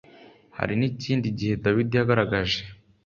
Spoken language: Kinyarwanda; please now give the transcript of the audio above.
hari n ikindi gihe dawidi yagaragaje